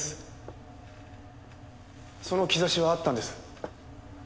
その兆しはあったんです。